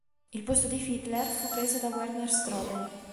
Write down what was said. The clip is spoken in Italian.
Il posto di Fiedler fu preso da Werner Strobel.